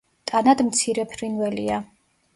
ტანად მცირე ფრინველია.